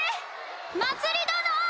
まつりどの！